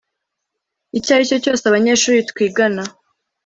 icyo ari cyo cyose Abanyeshuri twigana